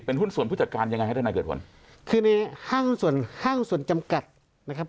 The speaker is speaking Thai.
หุ้นส่วนผู้จัดการยังไงฮะทนายเกิดผลคือในห้างส่วนห้างส่วนจำกัดนะครับ